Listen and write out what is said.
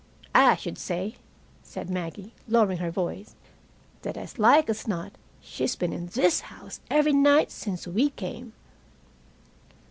I should say," said Maggie, lowering her voice, "that as like as not she's been in this house every night since we came."